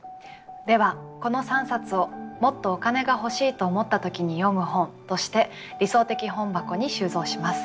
ではこの３冊を「もっとお金が欲しいと思った時に読む本」として理想的本箱に収蔵します。